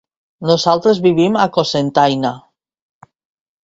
Nosaltres vivim a Cocentaina.